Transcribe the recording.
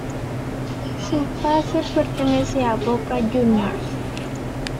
Su pase pertenece a Boca Juniors.